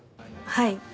はい。